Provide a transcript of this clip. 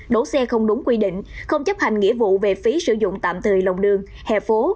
đỗ xe không đúng quy định không chấp hành nghĩa vụ về phí sử dụng tạm thời lòng đường hè phố